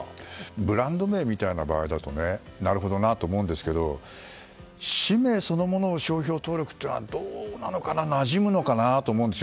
ブランド名みたいな場合だとなるほどなと思いますが氏名そのものを商標登録というのはどうなのかななじむのかなと思うんですよ。